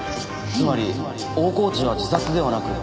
つまり大河内は自殺ではなく他殺？